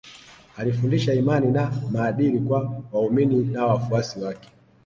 Alifundisha imani na maadili kwa waaumini na wafuasi wake